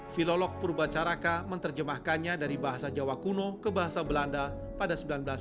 filolog purwacaraka menerjemahkannya dari bahasa jawa kuno ke bahasa belanda pada seribu sembilan ratus dua puluh enam